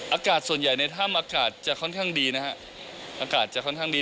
อากาศส่วนใหญ่ในถ้ำอากาศจะค่อนข้างดีนะฮะอากาศจะค่อนข้างดี